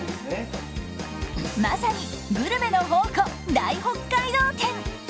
まさにグルメの宝庫、大北海道展。